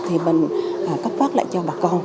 thì mình cấp phát lại cho bà con